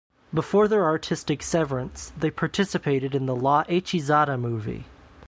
Before their artistic severance, they participated in the “La hechizada” movie.